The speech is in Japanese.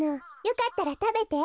よかったらたべて。